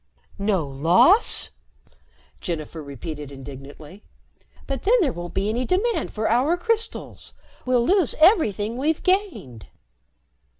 "No loss?" Jennifer repeated indignantly. "But then there won't be any demand for our crystals! We'll lose everything we've gained."